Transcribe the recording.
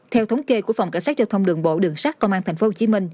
theo thống kê của phòng cảnh sát giao thông đường bộ đường sát công an tp hcm